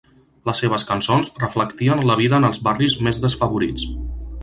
Les seves cançons reflectien la vida en els barris més desfavorits.